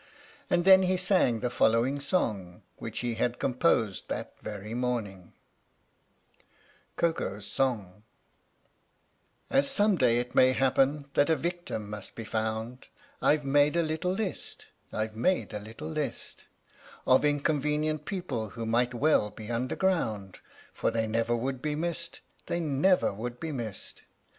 And then he sang the following song, which he had composed that very morning : KOKO'S SONG As some day it may happen that a victim must be found, I've made a little list I've made a little list Of inconvenient people who might well be underground, For they never would be missed they never would be missed.